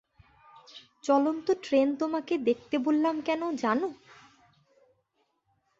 চলন্ত ট্রেন তোমাকে দেখতে বললাম কেন জান?